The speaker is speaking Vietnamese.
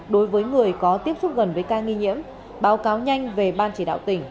đối với người có tiếp xúc gần với ca nghi nhiễm báo cáo nhanh về ban chỉ đạo tỉnh